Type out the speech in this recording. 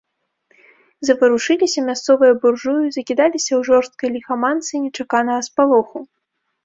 Заварушыліся мясцовыя буржуі, закідаліся ў жорсткай ліхаманцы нечаканага спалоху.